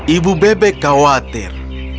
ibu bebek khawatir